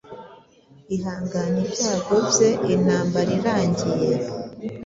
Ihangane ibyago bye intambara irangiye